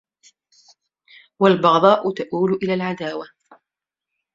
وَالْبَغْضَاءُ تُؤَوَّلُ إلَى الْعَدَاوَةِ